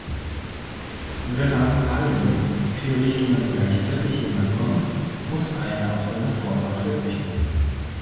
Wenn aus allen vier Richtungen gleichzeitig jemand kommt, muss einer auf seine Vorfahrt verzichten.